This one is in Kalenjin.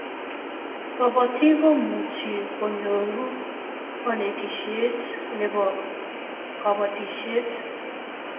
kabatiek komuchi konyorune kanetishet nebo kabatishiet